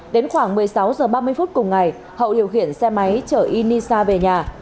đến khoảng một mươi sáu h ba mươi phút cùng ngày hậu điều khiển xe máy chở inisa về nhà